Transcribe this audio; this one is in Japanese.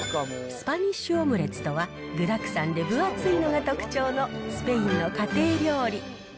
スパニッシュオムレツとは、具だくさんで分厚いのが特徴のスペインの家庭料理。